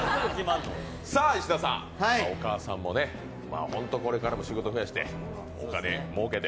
さあ、石田さん、お母さんもね、ほんと、これからも仕事増やしてお金もうけて、